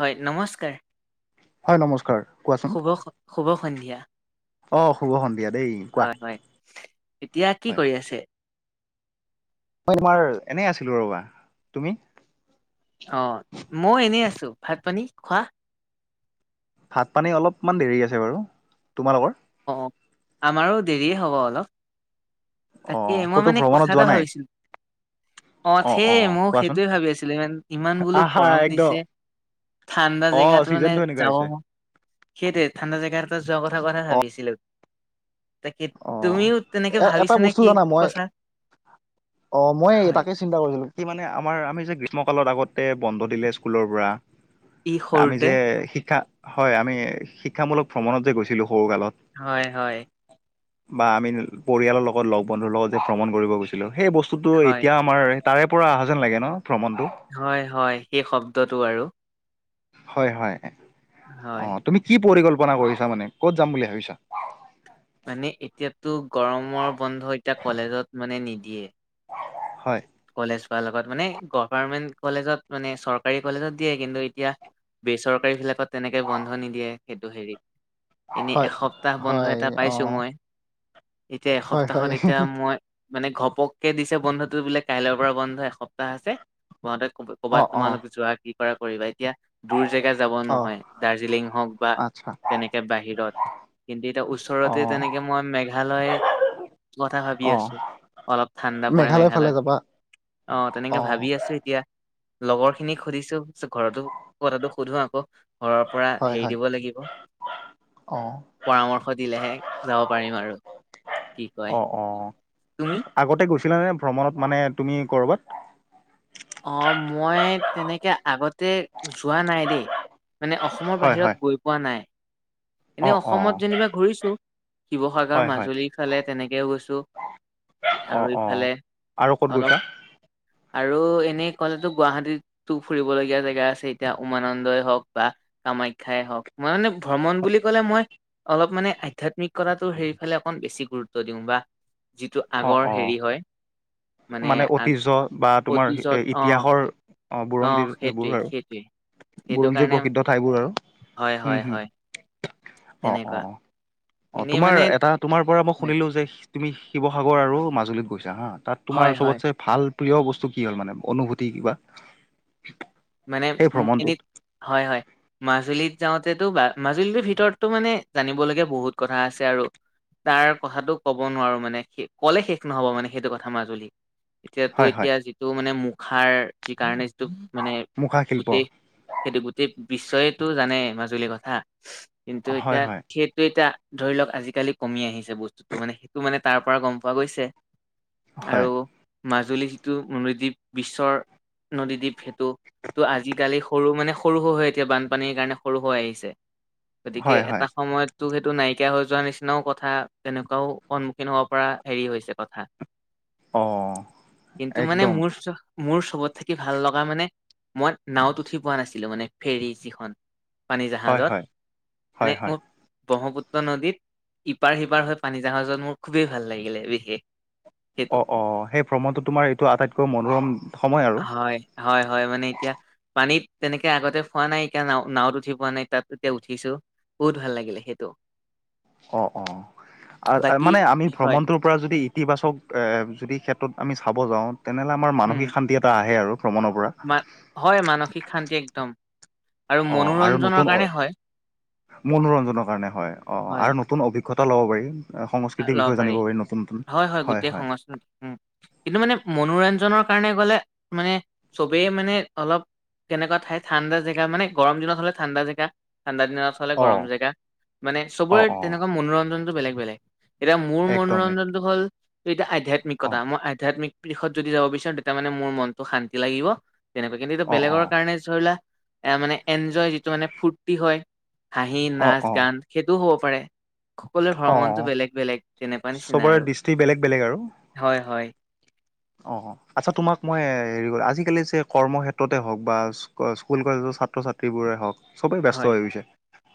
হয়, নমস্কাৰ। হয় নমস্কাৰ। কোৱাচোন শুভ-শুভ সন্ধিয়া। অ', শুভ সন্ধিয়া দেই। কোৱা হয় হয়, এতিয়া কি হয় কৰি আছে? মই তোমাৰ এনেই আছিলো ৰবা, তুমি? অ', মইও এনেই আছো। ভাত পানী খোৱা? ভাত পানী অলপমান দেৰি আছে বাৰু। তোমালোকৰ? অ', আমাৰো দেৰিয়ে হ'ব অলপ। অ তাকে মই ক'তো মানে কথা ভ্ৰমণত এটা যোৱা নাই ভাবিছিলোঁ অ', সেই মোক সেইটোৱে ভাবি আছিলোঁ, ইমান-ইমান বোলো আহা গৰম একদম দিছে। ঠাণ্ডা অ জেগাত মানে চিজনটো এনেকুৱা যাব আহিছে সেইটোৱে ঠাণ্ডা জেগা এটা যোৱাৰ কথা পৰা অ ভাবিছিলোঁ। তাকে, অ তুমিওঁ তেনেকে এ ভাবিছা [unintelligible] জানা মই, অ', মই তাকে হয় তাকে চিন্তা কৰিছিলোঁ। কি মানে আমাৰ আমি যে গ্ৰীষ্ম কালত আগতে বন্ধ দিলে স্কুলৰ পৰা ই আমি সৰুতে যে শিক্ষা, হয় আমি শিক্ষামূলক ভ্ৰমণত যে গৈছিলো সৰুকালত। হয় হয়। বা আমি পৰিয়ালৰ লগত লগ বন্ধুৰ লগত যে ভ্ৰমণ কৰিব গৈছিলোঁ। সেই বস্তুটো হয় এতিয়া আমাৰ তাৰে পৰা অহা যেন লাগে ন? ভ্ৰমনটো? হয়, হয়, সেই শব্দটো আৰু। হয়, হয়। হয় অ', তুমি কি পৰিকল্পনা কৰিছা মানে কত যাম বুলি ভাবিছা? মানে এতিয়াতো গৰমৰ বন্ধ এতিয়া কলেজত মানে নিদিয়ে। হয়। কলেজ পোৱাৰ লগত মানে গভাৰমেন্ট কলেজত মানে চৰকাৰী কলেজত দিয়ে, কিন্তু এতিয়া বেচৰকাৰী বিলাকত তেনেকে বন্ধ নিদিয়ে সেইটো হেৰি এনে হয় এসপ্তাহ বন্ধ হয় এটা অ পাইছো মই। এতিয়া হয় হয় এসপ্তাহত এতিয়া মই, মানে ঘপককে দিছে বন্ধ টো বোলে কাইলৈৰ পৰা বন্ধ এসপ্তাহ আছে, তহ'তে ক অ ক'ৰবাত অ তোমালোক যোৱা কি কৰা কৰিবা, এতিয়া দূৰ জেগা যাব অ নহয় দাৰ্জিলিং হওঁক বা আচ্ছা তেনেকে বাহিৰত, কিন্তু এতিয়া অ ওচৰতে তেনেকে মই মেঘালয় কথা ভাবি অ আছো, অলপ ঠাণ্ডা পৰে মেঘালয় ফালে মেঘালয়ত যাবা অ', তেনেকে ভাবি আছো। এতিয়া লগৰ খিনিক সুধিছো, [unintelligible] ঘৰতো কথাটো সুধো আকৌ! ঘৰৰ পৰা হয় হেৰি হয় দিব লাগিব। অ পৰামৰ্শ দিলেহে যাব পাৰিম আৰু, কি অ কয়। অ তুমি? আগতে গৈছিলানে ভ্ৰমণত মানে তুমি কৰ'বাত? অ' মই তেনেকে আগতে যোৱা নাই দেই, মানে অস অসমৰ হয় বাহিৰত হয় গৈ পোৱা নাই, অ এনেই অ অসমত যেনিবা ঘূৰিছো। শিৱসাগৰ, হয় হয় মাজুলীৰ ফালে তেনেকেও গৈছো। অ আৰু অ ইফালে আৰু ক'ত অলপ গৈছা আৰু এ এনেই ক'লেতো গুৱাহাটীতো ফুৰিবলগীয়া জেগা আছে এতিয়া উমানন্দই হওঁক বা কামাখ্যাই হওঁক, মই মানে ভ্ৰমণ বুলি কলে মই অলপ মানে আধ্যাত্মিকতাটো সেইফালে অকণ বেছি গুৰুত্ব দিওঁ। বা যিটো অ আগৰ অ হেৰি হয়, মানে আগ ঐতিহ্য বা তোমাৰ অতীজত অ, ইতিহাসৰ অ বুৰঞ্জীৰ সেইবোৰ সেইটোৱেই আৰু সেইটোৱেই। সেইটো বুৰঞ্জীৰ কাৰণে, প্ৰসিদ্ধ ঠাইবোৰ আৰু হয় উম হয় হুম হয়। অ', অ', তেনেকুৱা অ', অ' এনেই তোমাৰ মানে এটা তোমাৰ পৰা মই শুনিলোঁ যে তুমি শিৱসাগৰ আৰু মাজুলীত গৈছা হা', তাত হয় তোমাৰ হয় চবতচে ভাল প্ৰিয় বস্তু কি হ'ল মানে, অনুভূতি কিবা? মানে সেই উ ভ্ৰমণটোত এনেই, হয় হয়। মাজুলীত যাওঁতেতো [unintelligible] মাজুলী [unintelligible] ভিতৰতো মানে জানিবলগীয়া বহুত কথা আছে। আৰু তাৰ কথাটো ক'ব নোৱাৰো মানে, ক'লে শেষ নহ'ব মানে সেইটো কথা মাজুলী এতিয়াতো হয় হয় এতিয়া যিটো মানে মুখাৰ যি কাৰণে যিটো মানে মুখা শিল্প গোটেই সেইটো, গোটেই বিশ্বয়েই টো জানে মাজুলীৰ কথা! কিন্তু হয় এতিয়া হয় খেত [unintelligible] এতিয়া ধৰি লওক আজিকালি কমি আহিছে, বস্তুতটো মানে সেইটো মানে তাৰ পৰা গ'ম পোৱা গৈছে। হয় আৰু মাজুলী যিটো নদীদ্বীপ বিশ্বৰ নদীদ্বীপ সেইটো ত' আজিকালি সৰু মানে সৰু হৈ হৈ এতিয়া বানপানীৰ কাৰণে সৰু হৈ আহিছে। গতিকে হয় হয় এটা সময়ত টো সেইটো নাইকিয়া হৈ যোৱাৰ নিচিনাও কথা, তেনেকুৱাও সন্মুখীন হব পৰা হেৰি হৈছে কথা। অ কিন্তু মানে একদম মোৰ [unintelligible] মোৰ চবত থাকি ভাল লগা মানে, মই নাৱত উঠি পোৱা নাছিলো, মানে ফেৰী যিখন পানী হয় জাহাজত। হয় হয় এনেই হয় মোৰ ব্ৰহ্মপুত্ৰ নদীত ইপাৰ-সিপাৰ হৈ পানী জাহাজত মোৰ খুবেই ভাল লাগিলে, [unintelligible] সেইটো। অ', অ' সেই ভ্ৰমণটো তোমাৰ এইটো আটাইতকৈ মনোৰম সময় আৰু হয়, হয়, হয় মানে এতিয়া পানীত, তেনেকে আগতে [unintelligible] নাই এতিয়া নাৱত উঠি পোৱা নাই, তাত এতিয়া উঠিছোঁ। বহুত ভাল লাগিলে সেইটো, অ', অ' আৰু বাকী মানে আমি হয়, ভ্ৰমণটো পৰা যদি ইতিবাচক এ যদি ক্ষেত্ৰত আমি চাব যাওঁ তেনেহ'লে আমাৰ উম, মানসিক শান্তি এটা আহে আৰু ভ্ৰমণৰ পৰা [unintelligible] হয়। মানসিক শান্তি একদম অ' আৰু মনোৰঞ্জনৰ নতুন, কাৰণে হয়, [unintelligible] মনোৰঞ্জনৰ কাৰণে হয়, অ' অ' হয় আৰু নতুন অভি [unintelligible] [unintelligible] ল'ব পাৰি, আৰু আ- সংস্কৃতিৰ ল'ব বিষয়ে জানিব পাৰি নতুন-নতুন, হয়' হয়। [unintelligible] উম' কিন্তু মানে মনোৰঞ্জনৰ কাৰণে গ'লে, মানে, চবেই মানে, অলপ কেনেকুৱা ঠাই ঠাণ্ডা জেগা মানে গৰম দিনত হ'লে ঠাণ্ডা জেগা, ঠাণ্ডা দিনত হ'লে অ' গৰম জেগা, মানে অ' চবৰে অ' তেনেকুৱা মনোৰঞ্জনটো বেলেগ বেলেগ। এতিয়া মোৰ একদম এক মনোৰঞ্জনটো হ'ল, এতিয়া অ' আধ্যয়াত্মিকতা মই আধ্যাত্মিক দিশত যদি যাব বিচাৰো তেতিয়া মানে মোৰ মনটো শান্তি লাগিব। তেনেকুৱা কিন্তু এইটো অ' বেলেগৰ অ' কাৰণে ধৰি লোৱা এ মানে এনজয় যিটো মানে ফূৰ্তি হয়। হাঁহি, অ' অ' নাচ-গান সেইটোও হ'ব পাৰে সকলো ভ্ৰমণটো অ' বেলেগ। বেলেগ তেনেকুৱা নিচিনা আৰু। চবৰে দৃষ্টি বেলেগ বেলেগ আৰু। হয়, হয়। অ'হ। আচ্ছা তোমাক মই এ হেৰি কৰো আজিকালি যে কৰ্মক্ষেত্ৰতে হওঁক বা স্কু স্কুল কলেজৰ ছাত্ৰ-ছাত্ৰীবোৰে হওঁক। চবেই ব্যস্ত হয়, হৈ গৈছে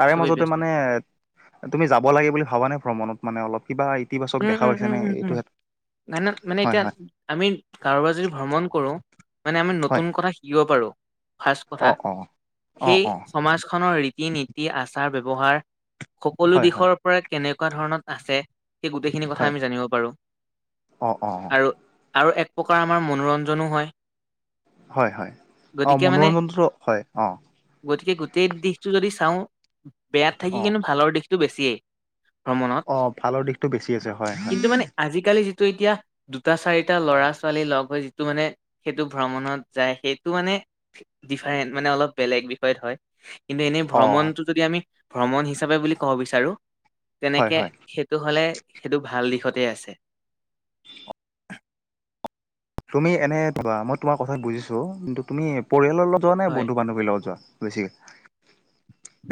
তাৰে চবেই মাজতে ব্যস্ত মানে আছে। তুমি যাব লাগে বুলি ভাবানে ভ্ৰমণত মানে অলপ কিবা এই উম উম উম উম মানত মানে হয় এতিয়া হয় আমি কাৰোবাৰ যদি ভ্ৰমণ কৰো, মানে আমি হয় নতুন কথা শিকিব পাৰো। ফাৰ্ষ্ট কথা, অঁ অঁ অঁ সেই অঁ সমাজখনৰ ৰীতি-নীতি, আচাৰ-ব্যৱহাৰ সকলো হয় হয় দিশৰ পৰা, কেনেকুৱা ধৰণত আছে। সেই গোটেইখিনি কথা হয় আমি জানিব পাৰো। অঁ অঁ অঁ আৰু আৰু, এক প্ৰকাৰ আমাৰ মনোৰঞ্জনো হয়। হয় হয়। অ গতিকে মানে মনোৰঞ্জনটো, হয় অ। গতিকে গোটেই দিশটো যদি চাওঁ, বেয়াত থাকি অঁ কিন্তু ভালৰ দিশ টো বেছিয়েই, ভ্ৰমণত অ ভালৰ দিশটো বেছি আছে হয়। হয় টো মানে আজিকালি যিটো এতিয়া দুটা, চাৰিটা, ল'ৰা-ছোৱালী লগ হৈ যিটো মানে সেইটো ভ্ৰমণত যায় সেইটো মানে ডিফাৰেণ্ট মানে অলপ বেলেগ বিষয়ত হয়। কিন্তু এনেই অঁ ভ্ৰমণটো যদি আমি, ভ্ৰমণ হিচাপে বুলি ক'ব বিচাৰো, হয় তেনেকে হয় সেইট টো হ'লে, সেইটো ভাল দিশতে আছে। তুমি এনেই ভাবা মই তোমাৰ কথা বুজিছো, কিন্তু তুমি পৰিয়ালৰ লগত যোৱা নে, হয় বন্ধু-বান্ধৱীৰ লগত যোৱা বেছিকে?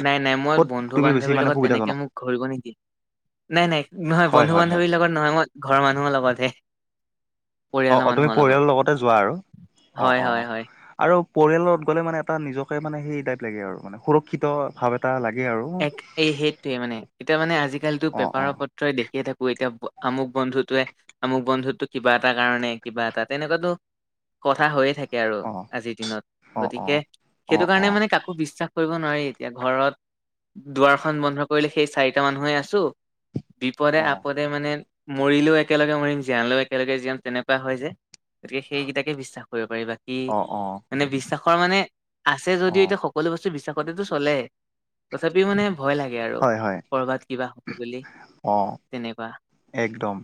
নাই নাই মই ক'ত তুমি বেছি বন্ধু-বান্ধৱীৰ মানে লগত সুবিধাজনক তেনেকে মোক, ঘূৰিব নিদি নাই নাই, নহয় হয় হয় হয় বন্ধু-বান্ধৱীৰ লগত নহয়, মই ঘৰৰ মানুহৰ লগতহে। অ পৰিয়ালৰ অ তুমি মানুহৰ লগত পৰিয়ালৰ লগতে যোৱা আৰু অ হয় অ হয় অ। হয় আৰু পৰিয়ালৰ লগত গ'লে মানে এটা নিজকে মানে সেই টাইপ লাগে আৰু মানে সুৰক্ষিত ভাৱ এট টা লাগে আৰু। এক, এই সেইটোৱে মানে এতিয়া মানে আজিকালিটো অ অ পেপাৰৰ পত ত্ৰয়ে দেখিয়ে থাকো এতিয়া, আমুক বন্ধুটোৱে আমুক বন্ধুটো কিবা এটা কাৰণে কিবা এটা তেনেকুৱাটো, কথা হৈয়ে থাক হে আৰু অ আজিৰ দিনত। অ অ গতিকে, অ অ সেইটো কাৰণে মানে কাকো বিশ্বাস কৰিব নোৱাৰি এতিয়া ঘৰত দুৱাৰখন বন্ধ কৰিলে, সেই চাৰিটা মানুহে আছো, বিপদে অ আপদে মানে মৰিলেও একেলগে মৰিম, জীয়ালেও একেলগে জীয়াম তেনেকুৱা হয় যে। গতিকে সেইকেইটাকে বিশ্বাস কৰিব পাৰি, বাকী অ অ মানে বিশ্বাসৰ মানে আছে অ যদিও, এতিয়া সকলো বস্তু বিশ্বাসতেটো চলে। তথাপিও মানে ভয় লাগে আৰু, হয় হয় কৰ'বাত কিবা হ'ব বুলি। অ একদম।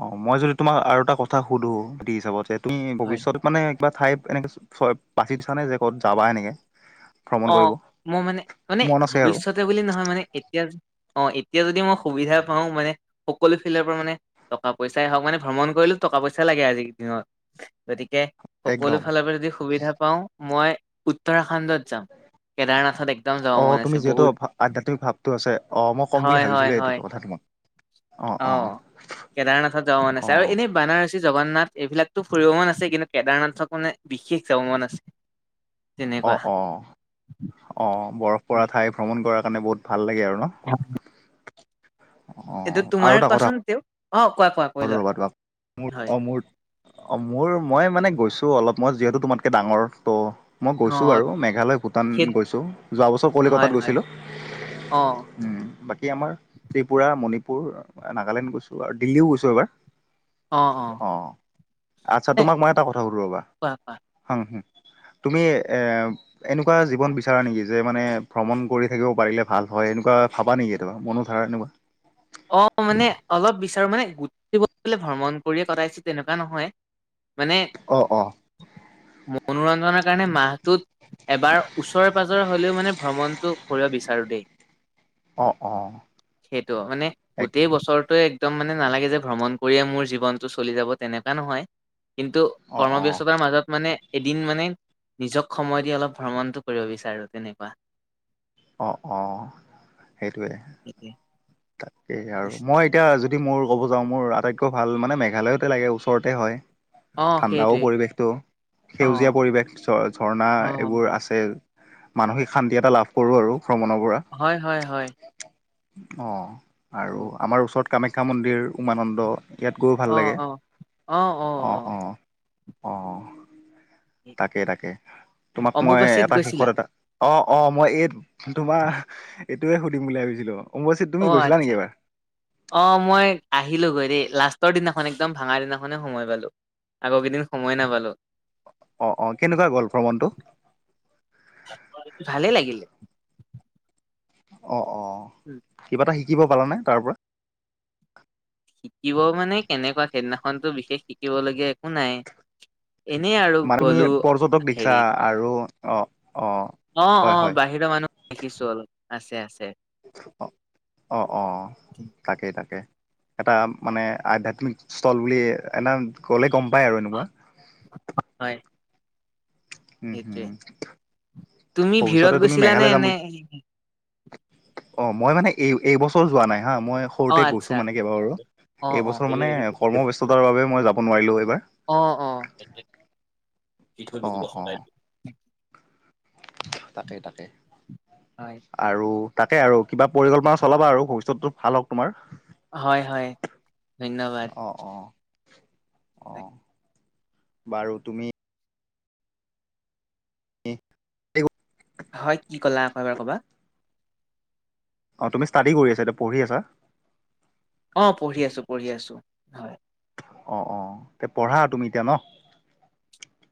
অ', মই যদি তোমাক আৰু এটা কথা সুধো, [unintelligible] হিচাপত যে তুমি হয় ভৱিষ্যতৰ মানে কিবা ঠাই এনেকে বিষয়ত বাচি দিছা নে, যে ক'ত যাবা এনেকে। ভ্ৰমণ কৰিব অ', মই মানে মানে মন আছে আৰু ভৱিষ্যতে বুলি নহয়, মানে এতিয়া অ', এতিয়া যদি মই সুবিধা পাওঁ মানে, সকলো ফিলৰ পৰা মানে টকা পইচাই হওঁক মানে, ভ্ৰমণ কৰিলো টকা পইচা লাগে আজিৰ দিনত গতিকে সকলো একদম ফালৰ পৰা যদি সুবিধা পাও, মই উত্তৰাখণ্ডত যাম। কেদাৰনাথত একদম যাব অ মন তুমি আছে যিহেতু বহুত, আধ্যাত্মিক ভাৱটো আছে অ মই ক'ম বুলি হয় হয় ভাবিছিলো এইটোতো হয় কথা তোমাক অ', কেদাৰনাথত যাব মন আছে, অ আৰু এনেই বানাৰস জগন্নাথ এইবিলাকতো ফুৰিব মন আছে, কিন্তু কেদাৰনাথক মানে বিশেষ যাব মন আছে। তেনেকুৱা। অ অ অ বৰফ পৰা ঠাই ভ্ৰমণ কৰাৰ কাৰণে বহুত ভাল লাগে আৰু ন। হয় এইটো অ তোমাৰ কোৱাচোন তেওঁ, অ' কোৱা কোৱা কৈ অ', লোৱা ৰবা তোমাৰ, মোৰ হয় অ' মোৰ অ', মোৰ মই মানে গৈছো অলপ, মই যিহেতু তোমাতকে ডাঙৰ ত মই অ গৈছোঁ বাৰু মেঘালয়, ভূটান সেই গৈছোঁ, যোৱা বছৰ হয় কলিকতাত হয় গৈছিলোঁ। অ উম বাকী আমাৰ ত্ৰিপুৰা, মণিপুৰ, নাগালেণ্ড গৈছোঁ আৰু দিল্লীও গৈছোঁ এবাৰ। অ', আচ্ছা এ তোমাক মই এটা কথা সুধোঁ ৰবা কোৱা কোৱা হা হা তুমি, এ এনেকুৱা জীৱন বিচৰা নেকি, যে মানে ভ্ৰমণ কৰি থাকিব পাৰিলে ভাল হয় এনেকুৱা ভাবা নেকি কেতিয়াবা, মনত ধাৰা এনেকুৱা। অ', মানে অলপ বিচাৰো মানে, গোটেই বছৰ ভ্ৰমণ কৰিয়েই কটাইছো তেনেকুৱা নহয় মানে। অ অ মনোৰঞ্জনৰ কাৰণে মাহটোত এবাৰ ওচৰে পাজৰে হলেও মানে ভ্ৰমণটো কৰিব বিচাৰো দেই। অ অ সেইটো মানে এক গোটেই বছৰটোৱে একদম মানে নালাগে যে ভ্ৰমণ কৰিয়ে মোৰ জীৱনটো চলি যাব তেনেকুৱা নহয়। কিন্তু অ', অ', কৰ্মব্যস্ততাৰ মাজত মানে এদিন মানে নিজক সময় দি অলপ ভ্ৰমণটো কৰিব বিচাৰো তেনেকুৱা। অ' অ', সেইটোৱে তাকেই আৰু মই এতিয়া যদ যদি মোৰ ক'ব যাওঁ, মোৰ আটাইতকৈ ভাল মানে মেঘালয়তে লাগে ওচৰতে হয়। অ ঠাণ্ডাও সেইটোৱে পৰিৱেশটো, অ সেউজীয়া পৰিৱেশ, ঝ ঝৰ্ণা অ এইবোৰ আছে। মানসিক শান্তি এটা লাভ কৰো আৰু ভ্ৰমণৰ পৰা। হয় হয় হয়। অ', সেইটো আৰু আমাৰ ওচৰত কামাখ্যা মন্দিৰ, উমানন্দ ইয়াত গৈও ভাল অ লাগে, অ অ অ অ তাকে, তাকে, তোমাক মই অম্বুবাচীত এটা গৈছিলা শেষত এটা অ', অ', মই এই তোমাৰ এইটোয়ে সুধিম বুলি ভাবিছিলো। অ' আচ্ছা। অ', মই আহিলোগৈ দেই লাষ্টৰ দিনাখন, একদম ভাঙা দিনাখনে সময় পালো। আগৰ কেইদিন সময় নাপালো অহ অহ কেনেকুৱা গ'ল ভ্ৰমণটো ভালেই লাগিলে অহ অহ উম কিবা এটা শিকিব পালানে তাৰ পৰা। শিকিব মানে কেনেকুৱা সেইদিনাখনতো বিশেষ শিকিব লগীয়া একো নাই। এনে আৰু গ'লো মানুহয়ে পৰ্যটক দেখিছা আৰু অহ অহ, অহ অহ বাহিৰা মানুহ দেখিছো অলপ আছে আছে। অহ অহ তাকে তাকে, এটা মানে আধ্যাত্মিক স্থল বুলি এনে গ'লে গম পায় আৰু এনেকুৱা। হয়। উম সেইটোৱে হুম তুমি ভিৰত ভৱিষ্যতে তুমি গৈছিলানে মেঘালয় যাম এনে বুলি, অহ মই মানে এই এইবছৰ যোৱা নাই হা মই, অ সৰুতে আচ্ছা গৈছোঁ মানে কেইবাবাৰো অ', অ'। এইবছৰ ৰে'ল মানে কৰ্মব্যস্ততাৰ বাবে মই যাব নোৱাৰিলোঁ এইবাৰ। অহ অহ অ [unintelligible] তাতে তাতে, হয়। আৰু তাকে আৰু কিবা পৰিকল্পনা চলাবা আৰু ভৱিষ্যতো ভাল হওক তোমাৰ। হয় হয় ধন্যবাদ। অহ অহ বাৰু তুমি, [unintelligible] হয় কি ক'লা আকৌ এবাৰ ক'বা। অহ ইষ্টাডি কৰি আছা এতিয়া পঢ়ি আছা। অহ পঢ়ি আছো পঢ়ি আছো হয়। অহ অহ তে পঢ়া তুমি এতিয়া ন।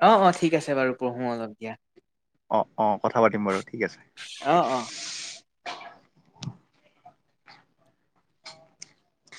অহ হ ঠিক আছে বাৰু পঢ়ো অলপ দিয়া। অহ অহ কথা পাতিম বাৰু ঠিক আছে। অহ অহ,